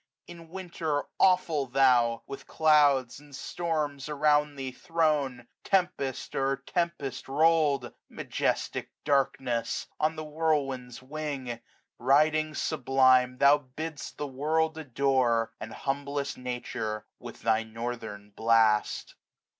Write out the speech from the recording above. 15 In Winter awful Thou! with clouds and storms Around Thee thrown, tempest o'er tempest roU'd, Majestic darkness! on the whirlwind's wing, F F iiS A HYMN. Riding sublime, Thou bid'st the world adore^ And humblest Nature with thy northern blast.